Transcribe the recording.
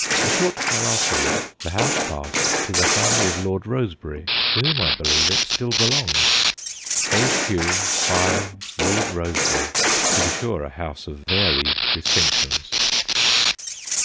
A short while after wards the house passed to the family of Lord Rosebery, to whom, I believe, it still belongs. Old Q., Byron, Lord Rosebery to be sure, a house of varied distinctions.